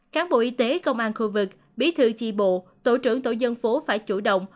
cán bộ y tế công an khu vực bí thư chi bộ tổ trưởng tổ dân phố phải chủ động